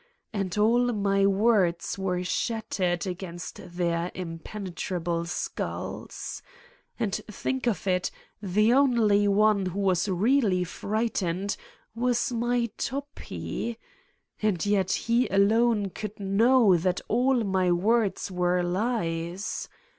And all my words were shattered against their impenetrable skulls! And think of it, the only one who was really frightened was my Toppi ! And yet he alone could know that all my words were lies